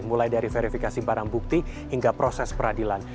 mulai dari verifikasi barang bukti hingga proses peradilan